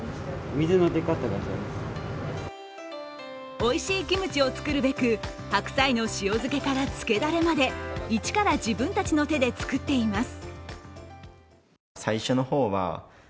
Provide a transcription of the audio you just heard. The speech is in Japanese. おいしいキムチを作るべく白菜の塩漬けから漬けだれまで一から自分たちの手で作っています。